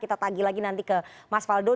kita tagih lagi nanti ke mas faldo